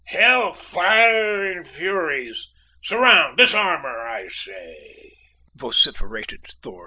"H l fire and furies! surround! disarm her, I say!" vociferated Thorg.